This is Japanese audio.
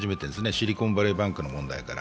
シリコンバレーバンクの問題から。